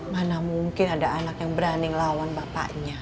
mana mungkin ada anak yang berani melawan bapaknya